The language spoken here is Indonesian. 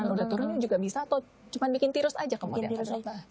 kanan udah turun juga bisa atau cuma bikin tirus aja kemudian